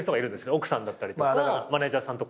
奥さんだったりとかマネジャーさんとか。